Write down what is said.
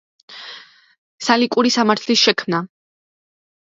სალიკური სამართლის შექმნა.